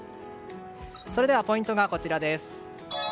それでは、ポイントがこちらです。